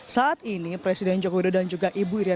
saat ini presiden joko widodo dan juga ibu iryana